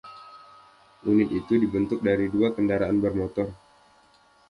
Unit itu dibentuk dari dua kendaraan bermotor.